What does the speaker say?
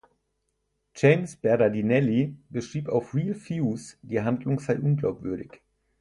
James Berardinelli schrieb auf "Reel Views", die Handlung sei unglaubwürdig.